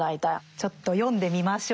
ちょっと読んでみましょう。